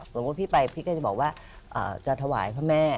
พี่ไปพี่ก็จะบอกว่าจะถวายพระแม่